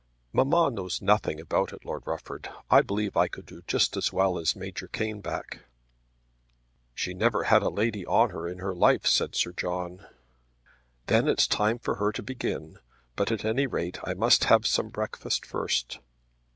"Mamma knows nothing about it, Lord Rufford. I believe I could do just as well as Major Caneback." "She never had a lady on her in her life," said Sir John. "Then it's time for her to begin. But at any rate I must have some breakfast first."